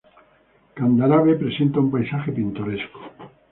Candarave presenta un paisaje pintoresco.